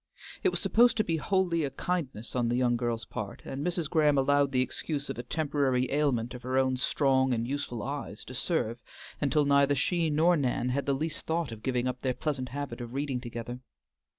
It was supposed to be wholly a kindness on the young girl's part, and Mrs. Graham allowed the excuse of a temporary ailment of her own strong and useful eyes to serve until neither she nor Nan had the least thought of giving up their pleasant habit of reading together.